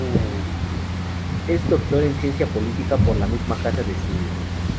Es doctor en Ciencia Política por la misma casa de estudios.